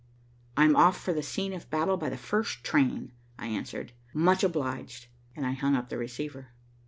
"I'm off for the scene of battle by the first train," I answered. "Much obliged," and I hung up the receiver.